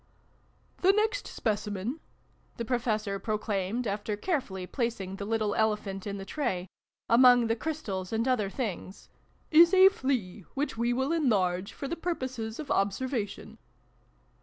" The next Specimen," the Professor pro claimed, after carefully placing the little Ele phant in the tray, among the Crystals and other Things, " is a Flea, which we will enlarge for the purposes of observation."